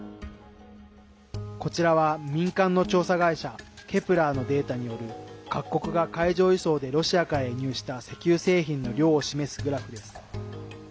こちらは、民間の調査会社ケプラーのデータによる各国が海上輸送でロシアから輸入した石油製品の量を示すグラフです。